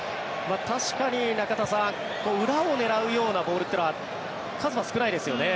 確かに中田さん裏を狙うようなボールというのは数は少ないですよね。